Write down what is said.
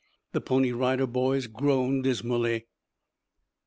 The Pony Rider Boys groaned dismally.